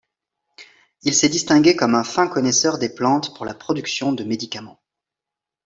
Il s'est distingué comme un fin connaisseur des plantes pour la production de médicaments.